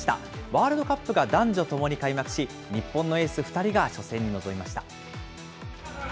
ワールドカップが男女ともに開幕し、日本のエース２人が初戦に臨みました。